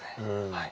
はい。